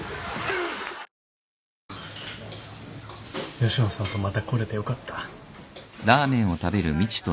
吉野さんとまた来れてよかった。